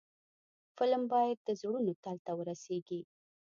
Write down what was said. فلم باید د زړونو تل ته ورسیږي